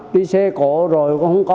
đi xe cổ rồi cũng không có